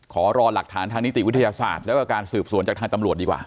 ขอรอหลักฐานทางนิติวิทยาศาสตร์แล้วก็การสืบสวนจากทางตำรวจดีกว่า